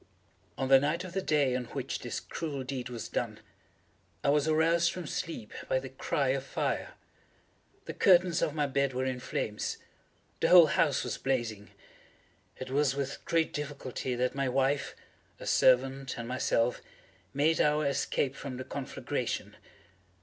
On the night of the day on which this cruel deed was done, I was aroused from sleep by the cry of fire. The curtains of my bed were in flames. The whole house was blazing. It was with great difficulty that my wife, a servant, and myself, made our escape from the conflagration.